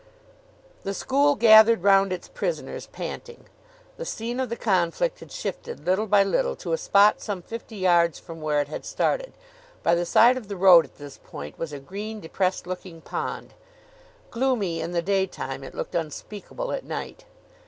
The school gathered round its prisoners, panting. The scene of the conflict had shifted little by little to a spot some fifty yards from where it had started. By the side of the road at this point was a green, depressed looking pond. Gloomy in the daytime, it looked unspeakable at night.